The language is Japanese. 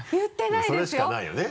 それしかないよね。